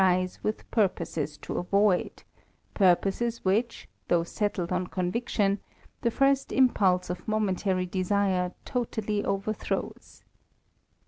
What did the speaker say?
eyes with purposes to avoid ; purposes which, though sett^ocf on conviction, the first impulse of momentary desire tota.Il> overthrows.